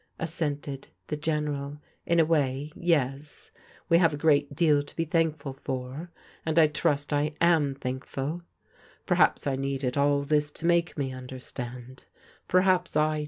"* assented the Gei^ral, " in a way, yes. We ba\e a ^rea: deal to be tfaankfnl for, and I trust I am : hark nil Feroaps I needed all this to make me under srand : pertu?;> I.